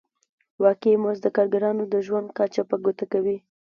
واقعي مزد د کارګرانو د ژوند کچه په ګوته کوي